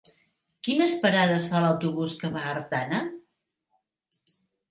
Quines parades fa l'autobús que va a Artana?